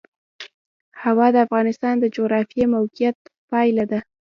هوا د افغانستان د جغرافیایي موقیعت پایله ده.